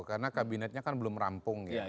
karena kabinetnya kan belum rampung ya